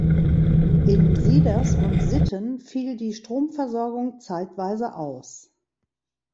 In Siders und Sitten fiel die Stromversorgung zeitweise aus.